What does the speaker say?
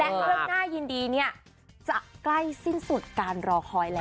และเรื่องน่ายินดีเนี่ยจะใกล้สิ้นสุดการรอคอยแล้ว